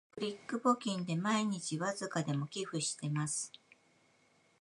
クリック募金で毎日わずかでも寄付してます